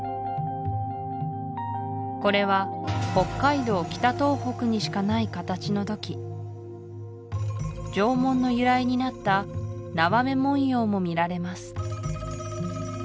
これは北海道北東北にしかない形の土器縄文の由来になった縄目文様も見られます